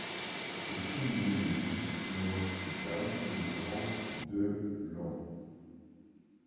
C'est une libellule néotropicale mesurant de long.